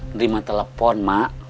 nerima telepon mak